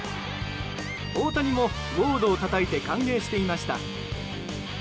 大谷もウォードをたたいて歓迎していました。